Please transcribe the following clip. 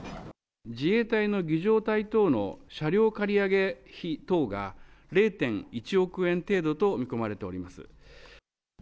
自衛隊の儀じょう隊等の車両借り上げ費等が０．１億円程度と見込まれております。